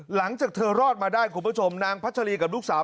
หลังจากเธอรอดมาได้คุณผู้ชมนางพัชรีกับลูกสาว